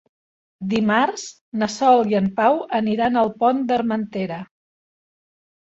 Dimarts na Sol i en Pau aniran al Pont d'Armentera.